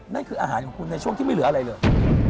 นั่นคืออาหารของคุณในช่วงที่ไม่เหลืออะไรเลย